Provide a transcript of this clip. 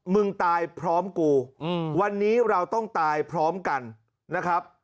มึงตายพร้อมกูวันนี้เราต้องตายพร้อมกันนะครับ